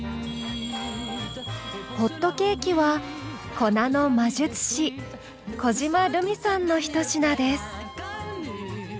ホットケーキは粉の魔術師小嶋ルミさんのひと品です。